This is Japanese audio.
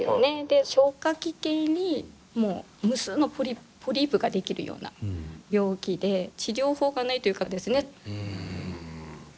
で消化器系に無数のポリープが出来るような病気で治療法がないというかですね。